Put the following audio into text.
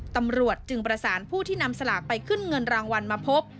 ตำรวจจึงประสานผู้ที่นำสลากไปขึ้นเงินรางวัลมาพบ